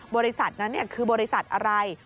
บริษัทนั้นคือบริษัทอะไร